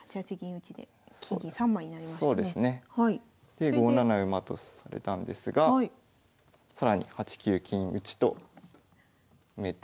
で５七馬とされたんですが更に８九金打と埋めて。